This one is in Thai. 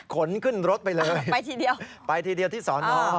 ขนขึ้นรถไปเลยไปทีเดียวที่สอนอ